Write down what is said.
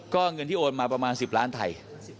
ก็เงินที่โอนมาประมาณ๑๐ล้านไทย